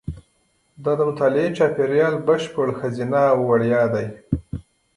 دا د مطالعې چاپېریال بشپړ ښځینه او وړیا دی.